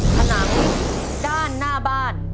ผนังด้านหน้าบ้าน